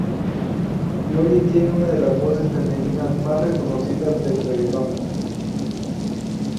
Glory tiene una de las voces femeninas más reconocidas del reguetón.